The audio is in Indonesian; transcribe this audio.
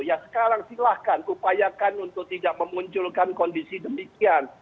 ya sekarang silahkan upayakan untuk tidak memunculkan kondisi demikian